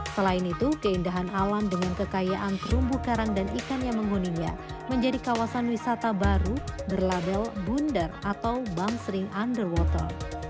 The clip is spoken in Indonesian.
selain itu keindahan alam dengan kekayaan terumbu karang dan ikan yang menghuninya menjadi kawasan wisata baru berlabel bunder atau bangsering underwater